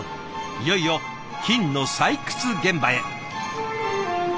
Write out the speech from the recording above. いよいよ金の採掘現場へ。